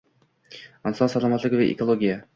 Inson salomatligi va ekologiya